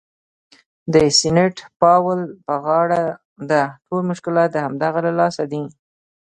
د سینټ پاول په غاړه ده، ټول مشکلات د همدغه له لاسه دي.